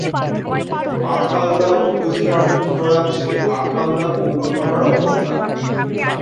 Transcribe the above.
আখাউড়া উপজেলার উত্তরাংশে আখাউড়া পৌরসভার অবস্থান।